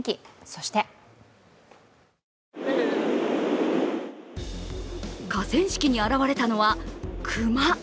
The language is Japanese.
そして河川敷に現れたのは熊。